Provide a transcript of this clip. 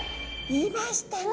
いましたね。